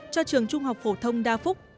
cho trường trung học phổ thông đa phúc